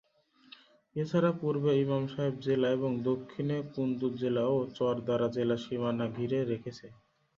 এছাড়া পূর্বে ইমাম সাহেব জেলা এবং দক্ষিণে কুন্দুজ জেলা ও চর দারা জেলা সীমানা ঘিরে রেখেছে।